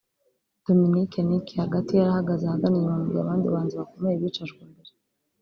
Dominic Nic(hagati)yari ahagaze ahagana inyuma mu gihe abandi bahanzi bakomeye bicajwe imbere